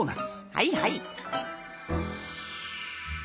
はいはい。